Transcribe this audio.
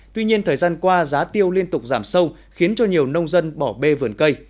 tuy nhiên thời gian qua giá tiêu liên tục giảm sâu khiến cho nhiều nông dân bỏ bê vườn cây